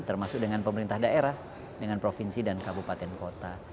termasuk dengan pemerintah daerah dengan provinsi dan kabupaten kota